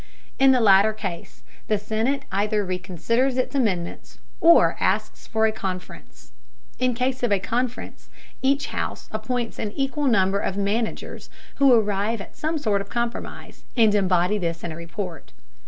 In the latter case, the Senate either reconsiders its amendments, or asks for a conference. In case of a conference, each house appoints an equal number of "managers," who arrive at some sort of compromise, and embody this in a report.